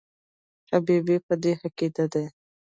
حبیبي په دې عقیده دی.